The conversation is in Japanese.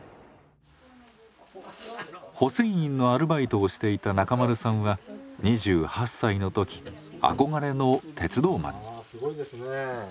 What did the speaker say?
保線員のアルバイトをしていた中丸さんは２８歳の時憧れの鉄道マンに。